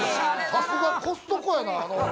さすがコストコやな。